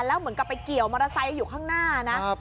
แล้วเหมือนกับไปเกี่ยวมอเตอร์ไซค์อยู่ข้างหน้านะ